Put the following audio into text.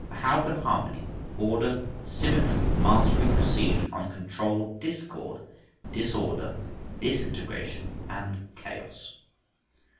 For how can harmony, order, symmetry, mastery, proceed from uncontrolled discord, disorder, disintegration, and chaos?